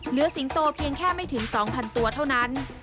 เหลือสิงโตเพียงแค่ไม่ถึงสองพันตัวเท่านั้น